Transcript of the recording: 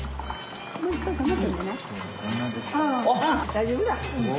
大丈夫だ。